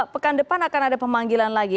pekan depan akan ada pemanggilan lagi